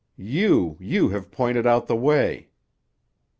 You, you have pointed out the way.